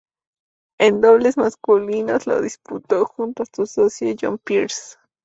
En dobles masculinos, lo disputó junto a su socio John Peers.